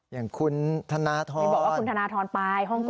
อย่างคุณธนาธรณ์บอกว่าคุณธนาธรณ์ไปฮ่องกงละ